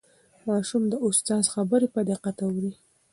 ماشوم د استاد خبرې په دقت اوري